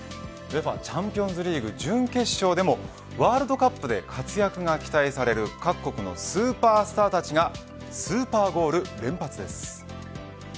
ＵＥＦＡチャンピオンズリーグ準決勝でもワールドカップで活躍が期待される各国のスーパースターたちがスーパーゴールを連発です。